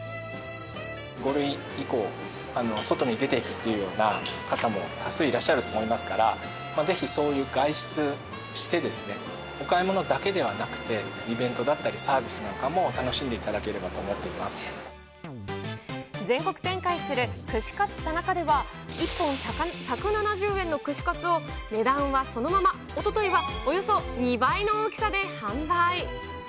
５類以降、外に出ていくというような方も多数いらっしゃると思いますから、ぜひそういう外出してですね、お買い物だけではなくて、イベントだったりサービスなんかも楽しんでいただければと思って全国展開する串カツ田中では、１本１７０円の串カツを値段はそのまま、おとといはおよそ２倍の大きさで販売。